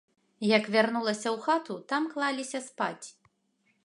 Як вярнулася ў хату, там клаліся спаць.